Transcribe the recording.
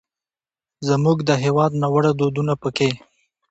زموږ د هېواد ناوړه دودونه پکې